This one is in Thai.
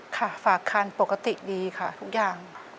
ค่ะฝากคันปกติดีค่ะทุกอย่าง